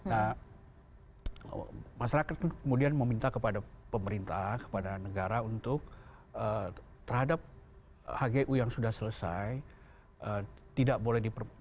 nah masyarakat kemudian meminta kepada pemerintah kepada negara untuk terhadap hgu yang sudah selesai